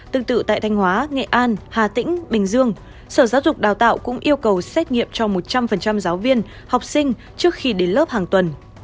tương tự tại thanh hóa nghệ an hà tĩnh bình dương sở giáo dục đào tạo cũng yêu cầu xét nghiệm cho một trăm linh giáo viên học sinh trước khi đến lớp hàng tuần